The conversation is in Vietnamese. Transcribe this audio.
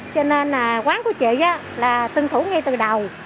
cho nên quán của chị là tuân thủ ngay từ đầu